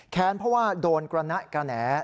เพราะว่าโดนกระนะกระแหน่